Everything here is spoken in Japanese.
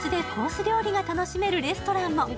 料理が楽しめるレストランも。